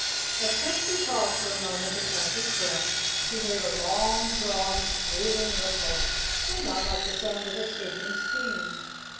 As Frisky paused for a moment to catch his breath he heard a long drawn, squealing whistle, somewhat like the sound of escaping steam.